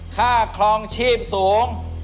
ค่าคลองชีพสูง